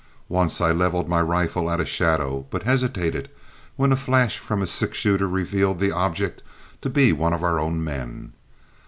Once I leveled my rifle at a shadow, but hesitated, when a flash from a six shooter revealed the object to be one of our own men.